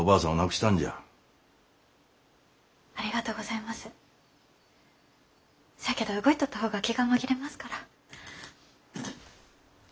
しゃあけど動いとった方が気が紛れますから。